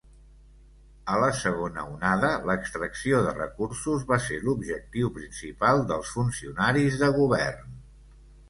A la segona onada, l'extracció de recursos va ser l'objectiu principal dels funcionaris de govern.